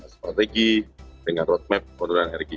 strategi dengan roadmap penurunan energi